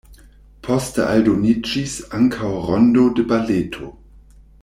Poste aldoniĝis ankaŭ rondo de baleto.